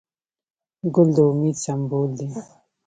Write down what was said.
ګل د امید سمبول دی.